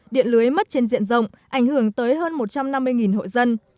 điện lưới mất trên diện rộng ảnh hưởng tới hơn một trăm năm mươi hộ dân